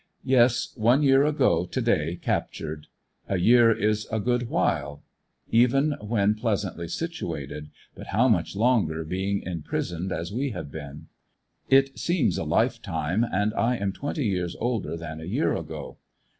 Yes, one year ago to day cap tured. A year is a good while, eve.i when pleasantly situated, but how much longer being imprisoned as we have been. It seems a lifetime, and I am twenty years older than a year ago.